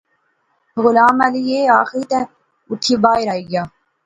غلام علی ایہہ آخی تہ اٹھی باہر گیا